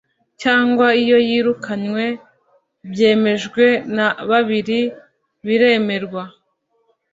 Cyangwa iyo yirukanywe byemejwe na bibiri biremerwa